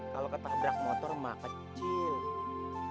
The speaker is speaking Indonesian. kalau ketabrak motor mah kecil